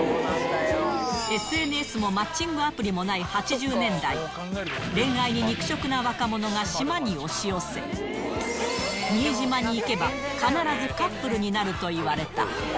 ＳＮＳもマッチングアプリもない８０年代、恋愛に肉食な若者が島に押し寄せ、新島に行けば、必ずカップルになるといわれた。